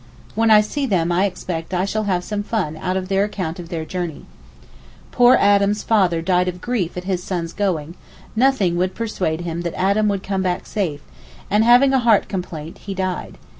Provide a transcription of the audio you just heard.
When I see them I expect I shall have some fun out of their account of their journey. Poor Adam's father died of grief at his son's going, nothing would persuade him that Adam would come back safe, and having a heart complaint, he died.